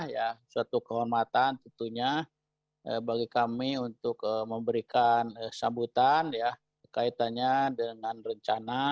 ya suatu kehormatan tentunya bagi kami untuk memberikan sambutan ya kaitannya dengan rencana